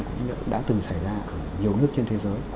cũng đã từng xảy ra ở nhiều nước trên thế giới